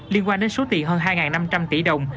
liên quan đến số tiền hơn hai năm trăm linh tỷ đồng